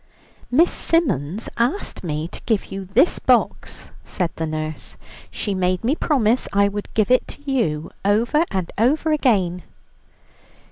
"Miss Symons asked me to give you this box," said the nurse. "She made me promise I would give it you over and over again."